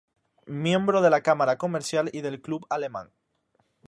Miembro de la Cámara Comercial y del Club Alemán.